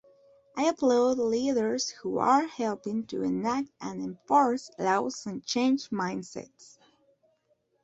I applaud leaders who are helping to enact and enforce laws and change mindsets.